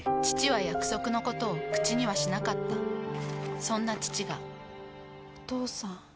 父は約束のことを口にはしなかったそんな父がお父さん。